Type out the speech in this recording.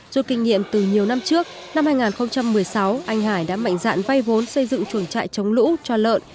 dù kinh nghiệm từ nhiều năm trước năm hai nghìn một mươi sáu anh hải đã mạnh dạn vay vốn xây dựng chuồng trại chống lũ cho lợn